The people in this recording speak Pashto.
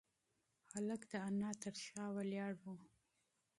هلک د انا تر شا ولاړ و.